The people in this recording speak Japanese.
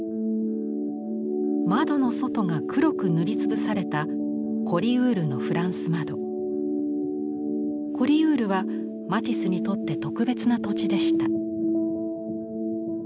窓の外が黒く塗りつぶされたコリウールはマティスにとって特別な土地でした。